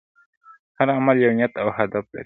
هر عمل یو نیت او هدف لري.